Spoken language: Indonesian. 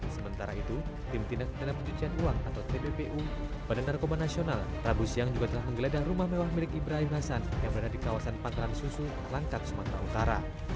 sementara itu tim tindak pidana pencucian uang atau tbpu pada narkoba nasional rabu siang juga telah menggeledah rumah mewah milik ibrahim hasan yang berada di kawasan patteran susu langkat sumatera utara